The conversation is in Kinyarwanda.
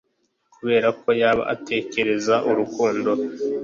Kuberako yaba atekereza urukundo